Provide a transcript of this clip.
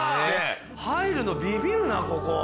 入るのビビるなここ。